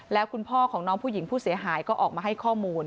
แล้วคุณพ่อของน้องผู้หญิงผู้เสียหายก็ออกมาให้ข้อมูล